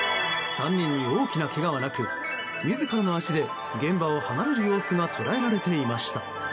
３人に大きなけがはなく自らの足で現場を離れる様子が捉えられていました。